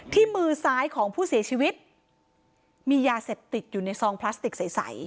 มือซ้ายของผู้เสียชีวิตมียาเสพติดอยู่ในซองพลาสติกใส